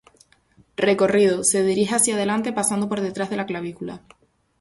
Recorrido: se dirige hacia delante pasando por detrás de la clavícula.